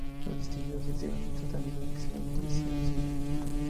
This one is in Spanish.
Los distinguidos reciben el tratamiento de "Excelentísimo Señor".